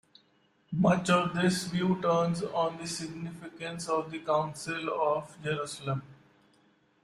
Much of this view turns on the significance of the Council of Jerusalem.